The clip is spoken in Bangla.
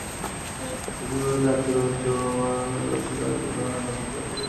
কুটিরশিল্প তাঁতশিল্প, মৃৎশিল্প, লৌহশিল্প, স্বর্ণশিল্প, বাঁশের কাজ, কাঠের কাজ, নকশি কাঁথা প্রভৃতি।